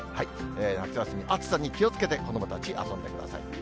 夏休み、暑さに気をつけて、子どもたち遊んでください。